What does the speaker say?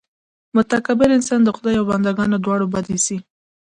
متکبر انسان د خدای او بندګانو دواړو بد اېسي.